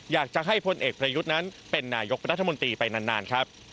อยากจะให้พลเอกประยุทธ์นั้นเป็นนายกรัฐมนตรีไปนานครับ